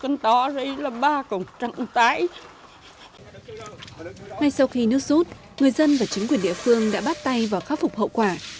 ngay sau khi nước rút người dân và chính quyền địa phương đã bắt tay vào khắc phục hậu quả